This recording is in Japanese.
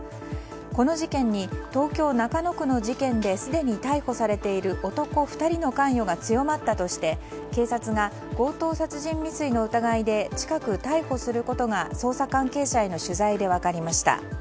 この事件に、東京・中野区の事件ですでに逮捕されている男２人の関与が強まったとして警察が、強盗殺人未遂の疑いで近く逮捕することが捜査関係者への取材で分かりました。